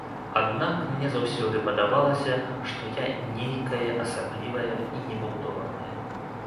Аднак мне заўсёды падавалася, што я нейкая асаблівая і непаўторная.